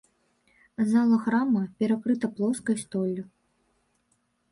Зала храма перакрыта плоскай столлю.